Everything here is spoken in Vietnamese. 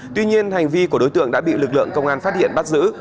tuy nhiên hành vi của đối tượng đã bị lực lượng công an phát hiện bắt giữ